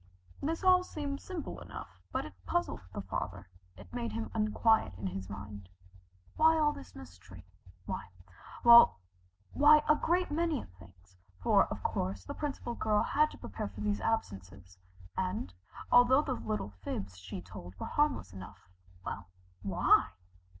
This all seemed simple enough, but it puzzled the father, it made him unquiet in his mind. Why all this mystery? Why well, why a great many things, for of course the Principal Girl had to prepare for these absences, and, although the little fibs she told were harmless enough well, why?